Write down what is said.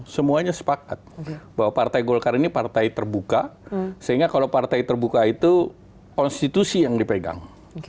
semuanya sepakat bahwa partai golkar ini partai terbuka sehingga kalau partai terbuka itu konstitusi yang dipegang